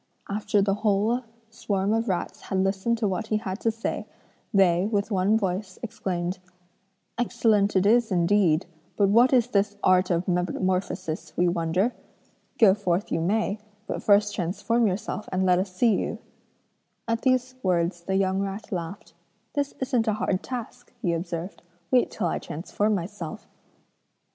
After the whole swarm of rats had listened to what he had to say, they, with one voice, exclaimed: 'Excellent it is indeed, but what is this art of metamorphosis we wonder? Go forth you may, but first transform yourself and let us see you.' At these words the young rat laughed. 'This isn't a hard task!' he observed, 'wait till I transform myself.'